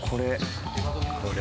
これ。